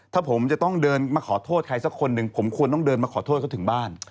ถ้าผมจะต้องเดินมาขอโทษใครสักคนหนึ่งผมควรต้องเดินมาขอโทษเขาถึงบ้าน